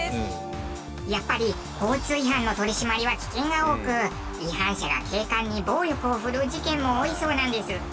やっぱり交通違反の取り締まりは危険が多く違反者が警官に暴力を振るう事件も多いそうなんです。